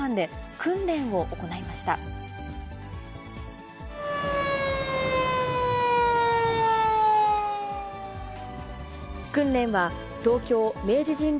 訓練は東京・明治神宮